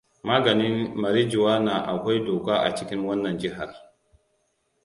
Maganin marijuana akoi doka a cikin wannan jihar.